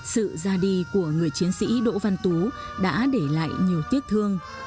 sự ra đi của người chiến sĩ đỗ văn tú đã để lại nhiều tiếc thương